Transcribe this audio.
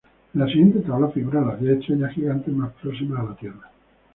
En la siguiente tabla figuran las diez estrellas gigantes más próximas a la Tierra.